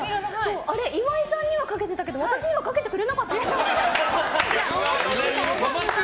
あれ、今井さんにはかけてたけど私にはかけてくれなかった。